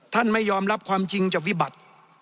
ไม่ยอมรับความจริงจากวิบัติ